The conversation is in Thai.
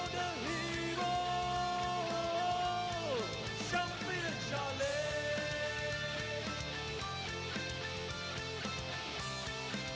คงไม่มีตัวแม่